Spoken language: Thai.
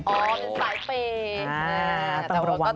อ๋อเป็นสายเปย์